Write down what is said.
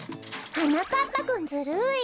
はなかっぱくんずるい！